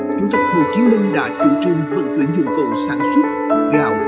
trung tộc hồ chí minh đã chủ trương phân quyển dụng cầu sản xuất gạo